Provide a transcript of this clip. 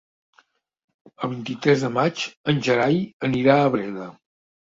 El vint-i-tres de maig en Gerai anirà a Breda.